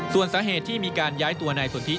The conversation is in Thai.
ส่วนสาเหตุที่มีการย้ายตัวนายสนทิ